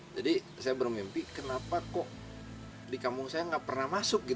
jadi saya bermimpi kenapa di kampung saya tidak pernah masuk